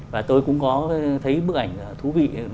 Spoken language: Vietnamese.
và tôi cũng có thấy bức ảnh thú vị